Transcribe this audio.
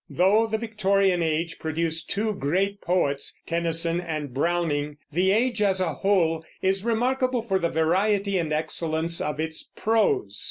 Though the Victorian Age produced two great poets, Tennyson and Browning, the age, as a whole, is remarkable for the variety and excellence of its prose.